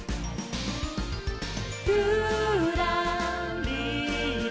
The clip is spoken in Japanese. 「ぴゅらりら」